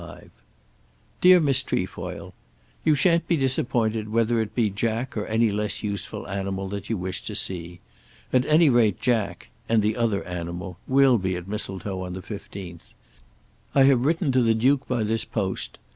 5. DEAR MISS TREFOIL, You shan't be disappointed whether it be Jack or any less useful animal that you wish to see. At any rate Jack, and the other animal, will be at Mistletoe on the 15th. I have written to the Duke by this post.